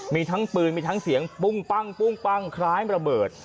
มีทั้งปืนมีทั้งเสียงปรุ่งปั้งปรุ่งปั้งขร้ายมาระเบิด